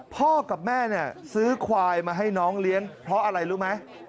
พ่อกับแม่เนี่ยซื้อควายมาให้น้องเลี้ยงเพราะอะไรรู้ไหม